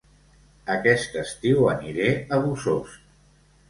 Aquest estiu aniré a Bossòst